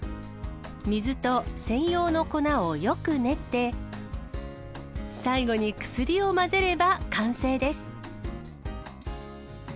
水と専用の粉をよく練って、最後に薬を混ぜれば完成です。